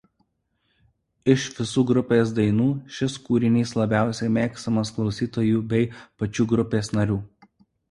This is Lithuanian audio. Iš visų grupės dainų šis kūrinys labiausiai mėgstamas klausytojų bei pačių grupės narių.